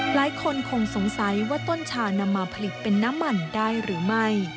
หลายคนคงสงสัยว่าต้นชานำมาผลิตเป็นน้ำมันได้หรือไม่